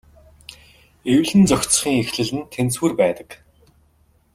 Эвлэн зохицохын эхлэл нь тэнцвэр байдаг.